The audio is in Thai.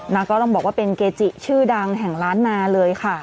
แล้วก็ต้องบอกว่าเป็นเกจิชื่อดังแห่งล้านนาเลยค่ะ